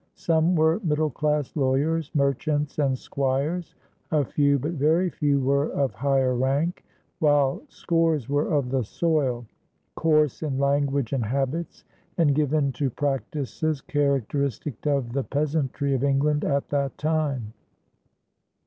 Some were middle class lawyers, merchants, and squires; a few, but very few, were of higher rank, while scores were of the soil, coarse in language and habits, and given to practices characteristic of the peasantry of England at that time.